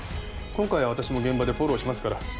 今回は私も現場でフォローしますから。